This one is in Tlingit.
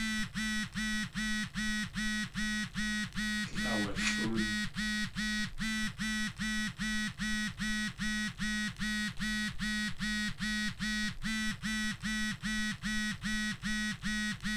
Tléil awulʼóon.